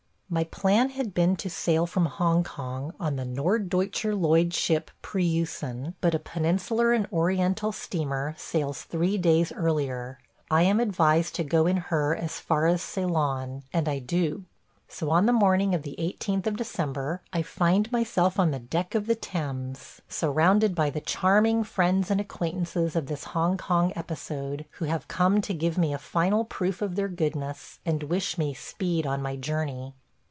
My plan had been to sail from Hong Kong on the Norddeutscher Lloyd ship Preussen, but a Peninsular and Oriental steamer sails three days earlier; I am advised to go in her as far as Ceylon, and I do. So on the morning of the 18th of December I find myself on the deck of the Thames, surrounded by the charming friends and acquaintances of this Hong Kong episode, who have come to give me a final proof of their goodness, and wish me speed on my journey.